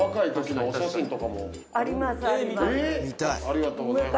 ありがとうございます。